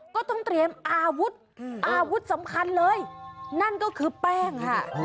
ก็ต้องเตรียมอาวุธอาวุธสำคัญเลยนั่นก็คือแป้งค่ะ